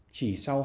chỉ sau đó